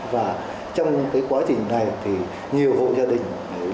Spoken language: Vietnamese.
và trong cái quá trình này thì nhiều hộ gia đình